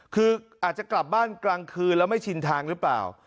คืออาจจะกลับบ้านกลางคืนแล้วไม่ชินทางหรือเปล่า